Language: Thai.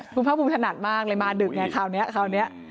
คุณภาคภูมิถนัดมากเลยมาดึกคราวนี้